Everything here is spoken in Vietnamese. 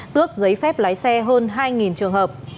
tước giấy phép lái xe hơn hai trường hợp